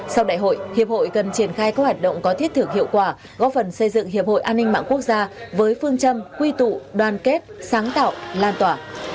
sau đại hội hiệp hội cần triển khai các hoạt động có thiết thưởng hiệu quả góp phần xây dựng hiệp hội an ninh mạng quốc gia với phương châm quy tụ đoàn kết sáng tạo lan tỏa